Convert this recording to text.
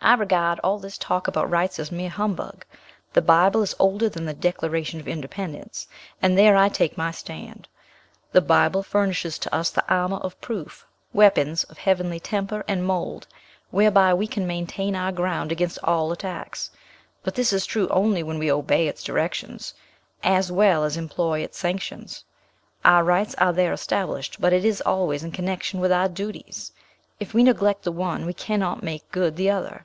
"I regard all this talk about rights as mere humbug. The Bible is older than the Declaration of Independence, and there I take my stand. The Bible furnishes to us the armour of proof, weapons of heavenly temper and mould, whereby we can maintain our ground against all attacks. But this is true only when we obey its directions, as well as employ its sanctions. Our rights are there established, but it is always in connection with our duties. If we neglect the one we cannot make good the other.